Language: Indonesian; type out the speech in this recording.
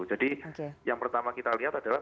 jadi yang pertama kita lihat adalah